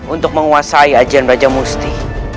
untuk menguasai ajian brajamusti